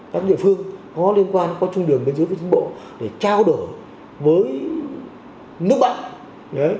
các địa phương có liên quan có chung đường bên dưới với chính bộ để trao đổi với nước bạn